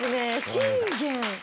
信玄。